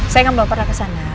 saya ngambil pera kesana